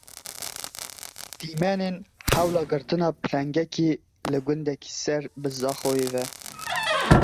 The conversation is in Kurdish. Dîmenên hewla girtina pilengekî li gundekî ser bi Zaxoyê ve.